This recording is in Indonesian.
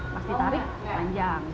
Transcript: masih tarik panjang